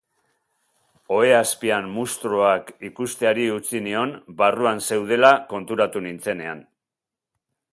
Ohe azpian munstroak ikusteari utzi nion barruan zeudela konturatu nintzenean.